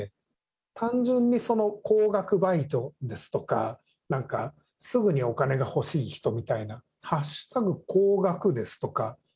単純にその高額バイトですとか、なんかすぐにお金が欲しい人みたいな、＃高額ですとか、＃